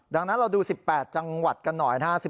ดังนั้นเราดู๑๘จังหวัดกันหน่อยนะครับ